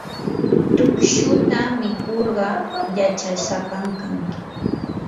tukshuta mikurqa yachaysapam kanki.